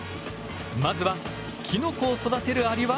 まずはきのこを育てるアリは。